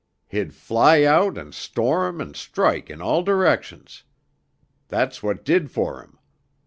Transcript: He'd fly out and storm and strike in all directions. That's what did for him.